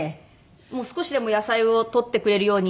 少しでも野菜を取ってくれるように。